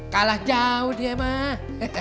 kalah jauh dia mah